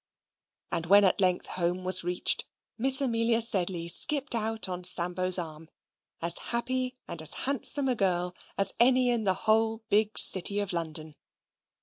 And when at length home was reached, Miss Amelia Sedley skipped out on Sambo's arm, as happy and as handsome a girl as any in the whole big city of London.